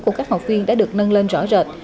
của các học viên đã được nâng lên rõ rệt